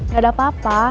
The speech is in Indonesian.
gak ada apa apa